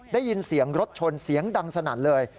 ได้ยินเสียงรถชนเสียงดังสนั่นเลย